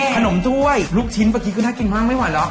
ขนมถ้วยลูกชิ้นเมื่อกี้คือถ้ากินมากไม่ไหวหรอก